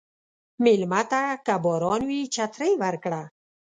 مېلمه ته که باران وي، چترې ورکړه.